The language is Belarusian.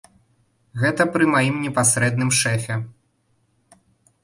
Гэта пры маім непасрэдным шэфе!